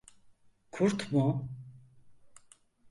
Kurt mu?